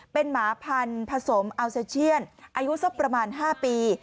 เป็นหมาพันธุ์ผสมอัลเซเชียนอายุสักประมาณ๕ปี